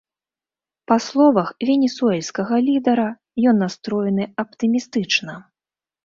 Па словах венесуэльскага лідара, ён настроены аптымістычна.